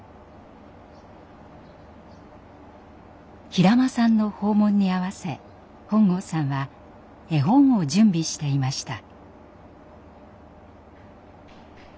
平間さんの訪問に合わせ本郷さんは絵本を準備していました。